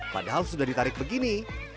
padahal sudah ditarik begini